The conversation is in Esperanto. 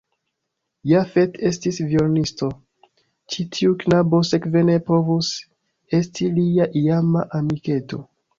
Jafet estis violonisto, ĉi tiu knabo sekve ne povus esti lia iama amiketo.